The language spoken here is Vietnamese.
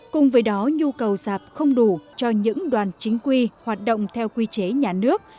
cùng với đó nhu cầu giạp không đủ cho những đoàn chính quy hoạt động theo quy chế nhà nước